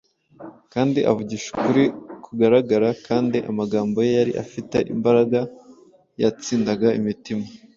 kandi avugisha ukuri kugaragara kandi amagambo ye yari afite imbaraga yatsindaga imitima